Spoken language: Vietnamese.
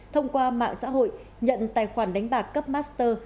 thông qua mạng xã hội nhận tài khoản đánh bạc cấp master